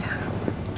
udah udah udah ya